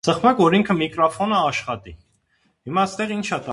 Լուսաբանել է առաջավոր մանկավարժական մեթոդներ։